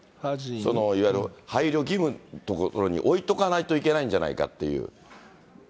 いわゆる配慮義務のところに置いとかないといけないんじゃないかっていう。